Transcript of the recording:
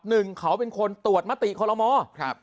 หนึ่งเขาเป็นคนตรวจมติคลมครับ